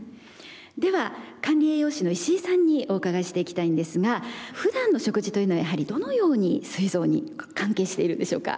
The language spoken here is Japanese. では管理栄養士の石井さんにお伺いしていきたいんですがふだんの食事というのはやはりどのようにすい臓に関係しているんでしょうか？